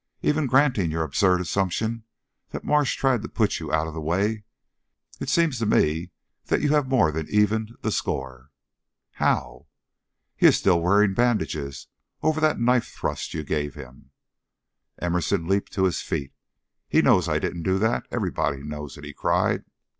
Even granting your absurd assumption that Marsh tried to put you out of the way, it seems to me that you have more than evened the score." "How?" "He is still wearing bandages over that knife thrust you gave him." Emerson leaped to his feet. "He knows I didn't do that; everybody knows it!" he cried.